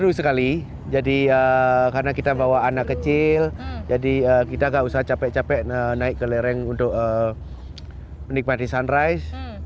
seru sekali jadi ya karena kita bawa anak kecil jadi kita gak usah capek capek naik ke lereng untuk menikmati sunrise